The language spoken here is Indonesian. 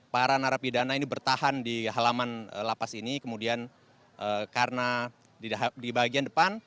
para narapidana ini bertahan di halaman lapas ini kemudian karena di bagian depan